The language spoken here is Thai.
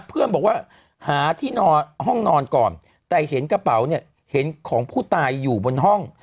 เพื่อนบอกว่าหาที่นอนห้องนอนก่อนแต่เห็นกระเป๋าเนี่ยเห็นของผู้ตายอยู่บนห้อง